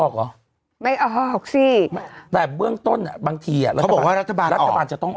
ก็ก็คือต้องสมมุติคุณไปตรวจ